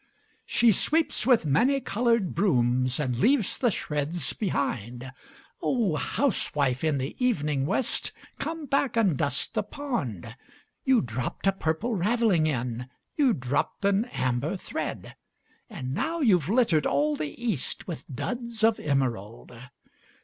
She sweeps with many colored brooms, And leaves the shreds behind; Oh, housewife in the evening west, Come back, and dust the pond! You dropped a purple ravelling in, You dropped an amber thread; And now you 've littered all the East With duds of emerald!